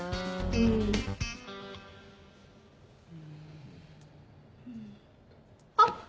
うん。あっ！